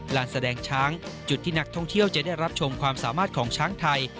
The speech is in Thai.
ลานแสดงช้างจุดที่นักท่องเที่ยวจะได้รับชมความสามารถของช้างไทย